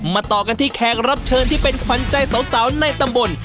ต่อกันที่แขกรับเชิญที่เป็นขวัญใจสาวในตำบล